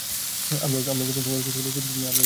আমরাও যথাসময়ে হোটেলে উপস্থিত হলুম।